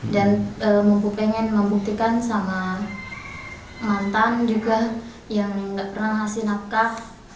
dan mumpu pengen membuktikan sama mantan juga yang gak pernah ngasih nakkah